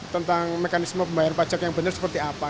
tentang mekanisme pembayar pajak yang benar seperti apa